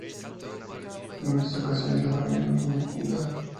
En muchas ocasiones la familia no comía junta.